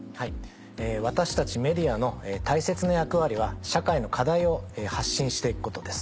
私たちメディアの大切な役割は社会の課題を発信して行くことです。